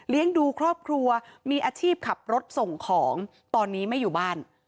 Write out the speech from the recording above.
ดูครอบครัวมีอาชีพขับรถส่งของตอนนี้ไม่อยู่บ้าน